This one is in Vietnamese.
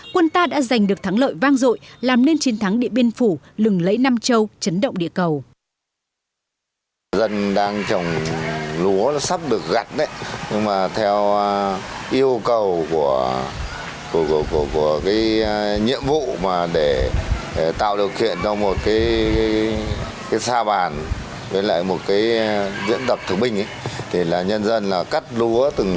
quân ta đã giành được thắng lợi vang dội làm nên chiến thắng điện biên phủ lừng lấy nam châu chấn động địa cầu